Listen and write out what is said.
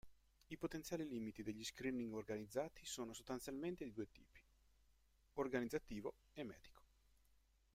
I potenziali limiti degli screening organizzati sono sostanzialmente di due tipi: organizzativo e medico.